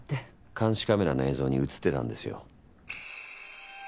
監視カメラの映像に映ってたんですよ。